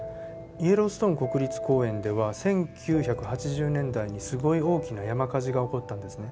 イエローストーン国立公園では１９８０年代にすごい大きな山火事が起こったんですね。